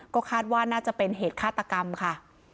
ก็คาดว่าน่าจะเป็นเหตุฆาตกรรมค่ะ